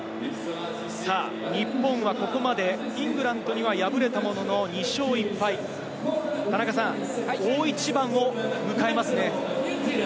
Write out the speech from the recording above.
日本はここまでイングランドには敗れたものの２勝１敗、田中さん大一番を迎えますね。